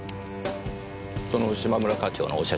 その嶋村課長のお写真